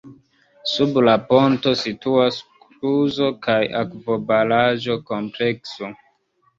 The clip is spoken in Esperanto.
Sub la ponto situas kluzo- kaj akvobaraĵo komplekso.